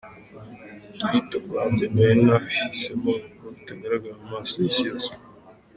Gutwita kwanjye nari narahisemo ko bitagaragara mu maso y’Isi yose.